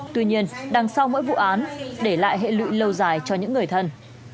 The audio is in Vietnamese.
tuy nhiên đằng sau mỗi vụ án để lại hệ lụy lâu dài cho những người thân